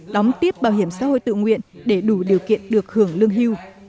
đóng tiếp bảo hiểm xã hội tự nguyện để đủ điều kiện được hưởng lương hưu